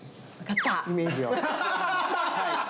イメージを。